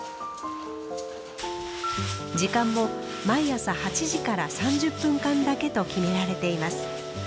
時間も毎朝８時から３０分間だけと決められています。